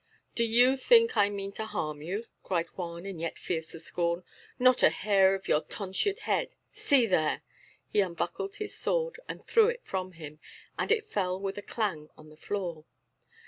"Do you think I mean to harm you?" cried Juan in yet fiercer scorn. "Not a hair of your tonsured head. See there!" He unbuckled his sword, and threw it from him, and it fell with a clang on the floor.